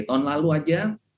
tahun lalu saja